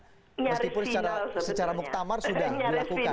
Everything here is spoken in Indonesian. meskipun secara muktamar sudah dilakukan